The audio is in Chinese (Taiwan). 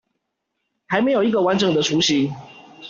還沒有一個完整的雛型